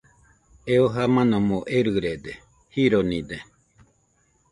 Eo jamanomo erɨrede, jironide